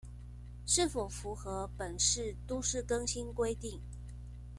是否符合本市都市更新規定